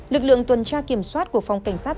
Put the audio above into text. lực lượng tuần tra kiểm soát của phòng cảnh sát